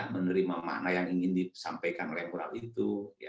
menerima makna yang ingin disampaikan oleh mural itu